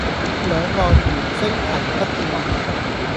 兩岸猿聲啼不住